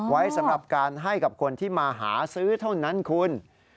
ไว้สำหรับการให้กับคนที่มาหาซื้อเท่านั้นคุณ